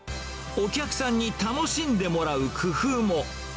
お客さんに楽しんでもらう工夫も。